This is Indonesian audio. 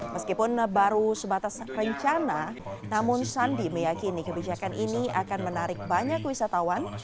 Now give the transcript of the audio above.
meskipun baru sebatas rencana namun sandi meyakini kebijakan ini akan menarik banyak wisatawan